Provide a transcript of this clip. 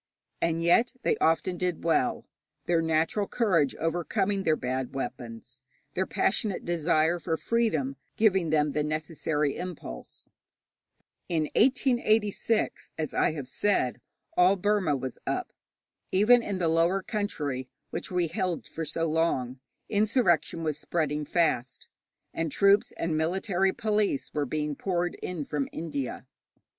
And yet they often did well, their natural courage overcoming their bad weapons, their passionate desire of freedom giving them the necessary impulse. In 1886, as I have said, all Burma was up. Even in the lower country, which we held for so long, insurrection was spreading fast, and troops and military police were being poured in from India.